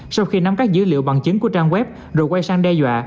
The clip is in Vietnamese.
sau khi nắm các dữ liệu bằng chứng của trang web rồi quay sang đe dọa